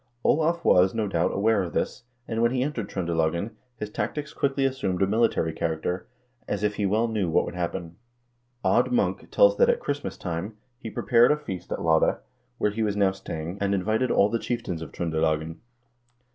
Olav was, no doubt, aware of this, and when he entered Tr0ndelagen, his tactics quickly assumed a military character, as if he well knew what would happen. Odd Munk 2 tells that at Christmas time he prepared a feast at Lade, where he was now staying, and invited all the chieftains of Tr0ndelagen.